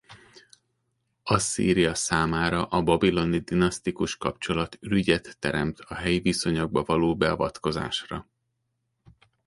Asszíria számára a babiloni dinasztikus kapcsolat ürügyet teremtett a helyi viszonyokba való beavatkozásra.